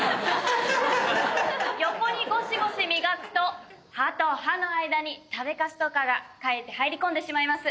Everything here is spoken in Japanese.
横にゴシゴシ磨くと歯と歯の間に食べカスとかがかえって入り込んでしまいます。